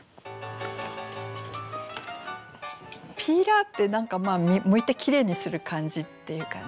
ピーラーって何かむいてきれいにする感じっていうかね。